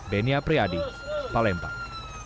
benia priadi palembang